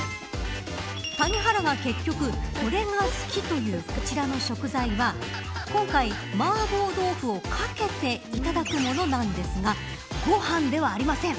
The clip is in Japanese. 谷原が結局これが好きというこちらの食材は今回マーボー豆腐をかけていただくものなんですがご飯ではありません。